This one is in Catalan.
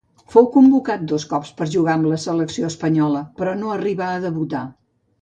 Fou convocat dos cops per jugar amb la selecció espanyola però no arribà a debutar.